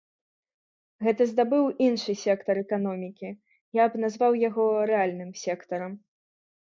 Гэта здабыў іншы сектар эканомікі, я б назваў яго рэальным сектарам.